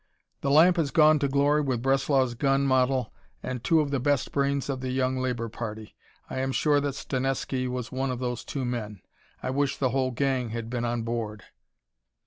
"The lamp has gone to glory with Breslau's gun model and two of the best brains of the Young Labor party. I am sure that Stanesky was one of those two men. I wish the whole gang had been on board."